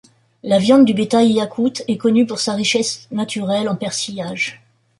La viande du bétail iakoute est connue pour sa richesse naturelle en persillage.